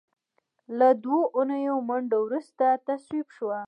له دوو اونیو منډو وروسته تصویب شوه.